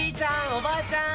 おばあちゃん